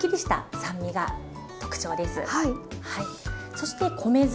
そして米酢。